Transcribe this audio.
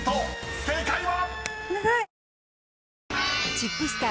正解は⁉］